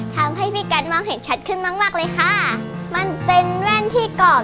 ได้ตัดแวดใหม่ให้ไปกัด